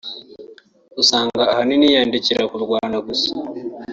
usanga ahanini yiyandikira ku Rwanda gusa